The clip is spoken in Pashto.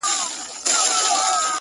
هغه وه تورو غرونو ته رويا وايي